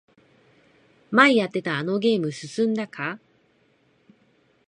前やってたあのゲーム進んだか？